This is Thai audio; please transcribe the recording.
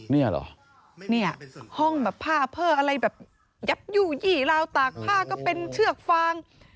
เนี่ยเหรอเนี่ยห้องแบบผ้าเพื่ออะไรแบบยับยู่ยี่ราวตากผ้าก็เป็นเชือกฟาง